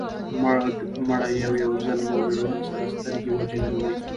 موږ مړه يو يو ځل مو له ژوند سره سترګې وجنګوئ.